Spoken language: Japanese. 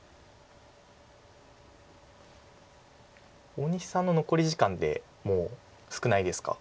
大西さんの残り時間ってもう少ないですか？